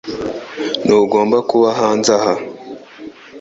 Ntugomba kuba hanze aha .